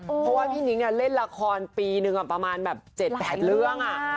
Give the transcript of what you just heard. เพราะว่าพี่นิ้งเล่นละครปีหนึ่งประมาณแบบ๗๘เรื่อง